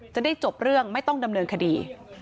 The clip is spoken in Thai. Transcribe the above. จะได้จบเรื่องไม่ต้องดำเนินคดี